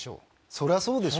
そりゃそうでしょ。